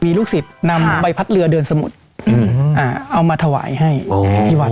มีลูกศิษย์นำใบพัดเรือเดินสมุทรเอามาถวายให้ที่วัด